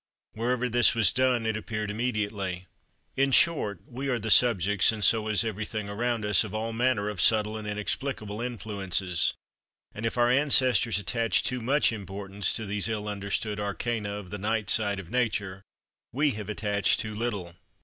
Wherever this was done it appeared immediately. In short, we are the subjects, and so is everything around us, of all manner of subtle and inexplicable influences: and if our ancestors attached too much importance to these ill understood arcana of the night side of nature, we have attached too little.